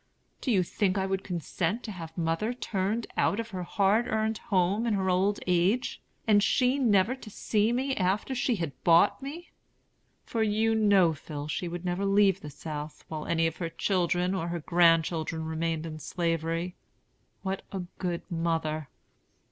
Do you think I would consent to have mother turned out of her hard earned home in her old age? And she never to see me after she had bought me? For you know, Phil, she would never leave the South while any of her children or grandchildren remained in Slavery. What a good mother!